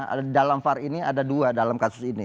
ada dalam var ini ada dua dalam kasus ini